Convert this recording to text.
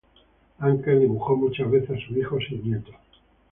Anker dibujó muchas veces a sus hijos y nietos.